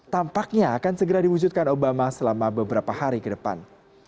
tampaknya akan segera diwujudkan obama selama beberapa hari ke depan